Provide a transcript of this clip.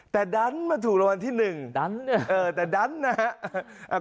แต่ดันมาถูกรางวัลที่หนึ่งดันเออแต่ดันนะฮะ